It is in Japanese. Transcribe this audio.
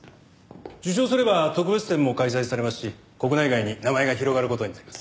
受賞すれば特別展も開催されますし国内外に名前が広がる事になります。